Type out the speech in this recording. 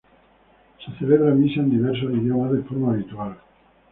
Se celebra misa en diversos idiomas de forma habitual.